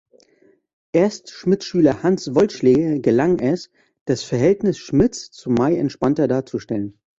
Erst Schmidts Schüler Hans Wollschläger gelang es, das Verhältnis Schmidts zu May entspannter darzustellen.